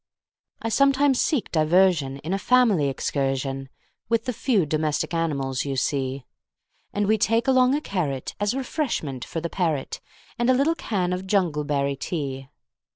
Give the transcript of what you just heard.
I sometimes seek diversionIn a family excursionWith the few domestic animals you see; And we take along a carrotAs refreshment for the parrot, And a little can of jungleberry tea.